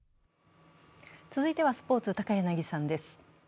続いてはスポーツ、高柳さんです